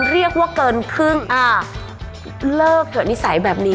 เรียกว่าเกินครึ่งอ่าเลิกเถอะนิสัยแบบนี้